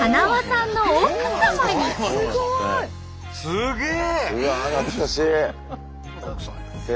すげえ！